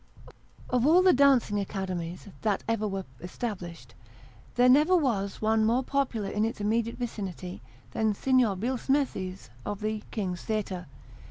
OF all the dancing academies that ever were established, there never was one more popular in its immediate vicinity than Signer Bill smethi's, of the " King's Theatre."